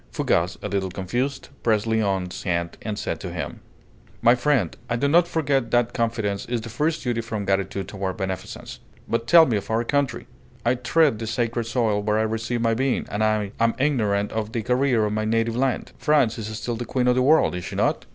Fougas, a little confused, pressed Léon's hand and said to him: "My friend, I do not forget that Confidence is the first duty from Gratitude toward Beneficence. But tell me of our country! I tread the sacred soil where I received my being, and I am ignorant of the career of my native land. France is still the queen of the world, is she not?"